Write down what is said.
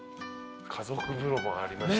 家族風呂もありましたよ。